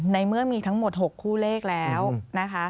ในเมื่อมีทั้งหมด๖คู่เลขแล้วนะคะ